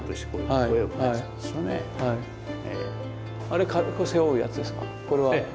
あれ背負うやつですかこれは。ええ。